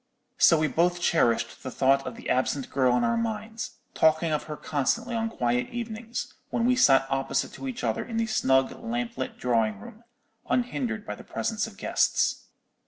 "So we both cherished the thought of the absent girl in our minds, talking of her constantly on quiet evenings, when we sat opposite to each other in the snug lamp lit drawing room, unhindered by the presence of guests.